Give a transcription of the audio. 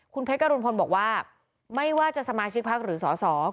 คุณเผดกระดูลโบกว่าไม่ว่าจะสมาชิกพักหรือสอศอก